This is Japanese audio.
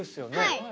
はい。